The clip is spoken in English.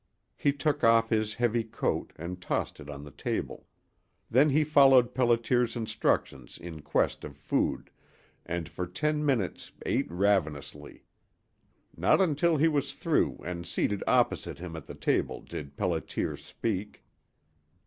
He took off his heavy coat and tossed it on the table. Then he followed Pelliter's instructions in quest of food, and for ten minutes ate ravenously. Not until he was through and seated opposite him at the table did Pelliter speak.